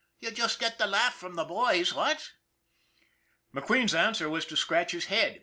You just get the laugh from the boys, what?" McQueen's answer was to scratch his head.